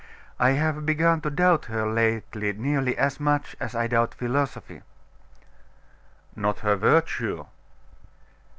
I have begun to doubt her lately nearly as much as I doubt philosophy.' 'Not her virtue?